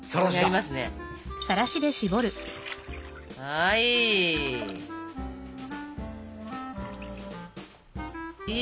はい！